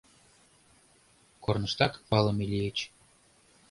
Корныштак палыме лийыч.